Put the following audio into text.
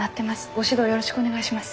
ご指導よろしくお願いします。